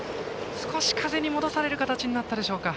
少し風に戻される形になったでしょうか。